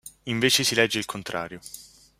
Invece si legge il contrario.